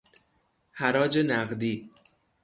حراج نقدی